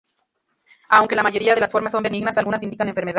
Aunque la mayoría de las formas son benignas, algunas indican enfermedad.